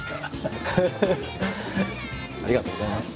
ありがとうございます。